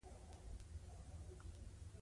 او د هغې جاج به اخلي -